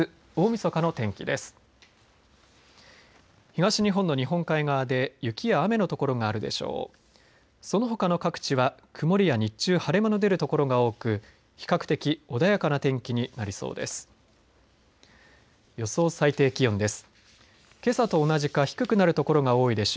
そのほかの各地は曇りや日中、晴れ間の出る所が多く比較的穏やかな天気になりそうです。